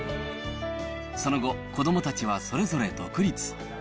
その後、子どもたちはそれぞれ独立。